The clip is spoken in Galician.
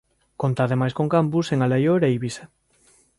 Conta ademais con campus en Alaior e Eivisa.